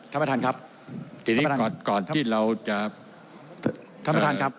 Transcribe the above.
ท่านประธานครับทีนี้ก่อนก่อนที่เราจะท่านประธานครับ